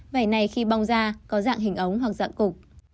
vậy này khi bong ra có dạng hình ống hoặc dạng cục